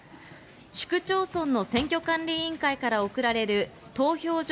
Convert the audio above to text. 市区町村の選挙管理委員会から送られる投票所